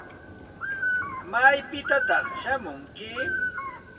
¿Maypitataq shamunki?